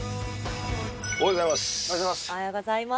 おはようございます。